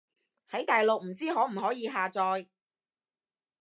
喺大陸唔知可唔可以下載